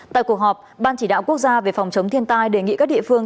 tại cuộc họp ban chỉ đạo quốc gia về phòng chống thiên tai đề nghị các địa phương